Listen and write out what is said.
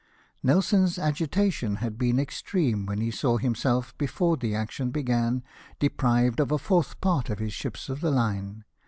Nelson's agitation had been extreme when he saw himself, before the action began, deprived of a fourth part of his ships of the line.